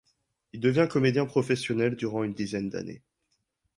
Il devient comédien professionnel durant une dizaine d'années.